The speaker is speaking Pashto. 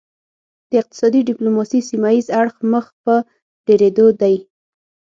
د اقتصادي ډیپلوماسي سیمه ایز اړخ مخ په ډیریدو دی